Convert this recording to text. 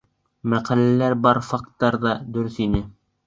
Мәҡәләлә бар факттар ҙа дөрөҫ ине.